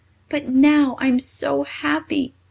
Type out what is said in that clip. But now I'm so happy!"